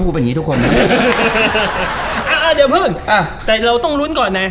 อ่ะเดี๋ยวเพื่อนแต่เราต้องลุ้นก่อนนะ